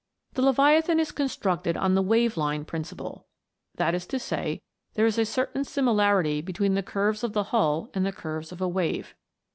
The Leviathan is constructed on the wave line principle; that is to say, there is a certain similarity between the curves of the hull and the curves of a wave.